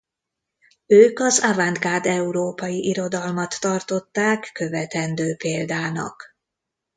Ők az avantgárd európai irodalmat tartották követendő példának.